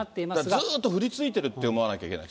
ずっと降り続いてると思わなきゃいけない。